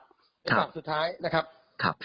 เป็นฝั่งสุดท้ายนะครับ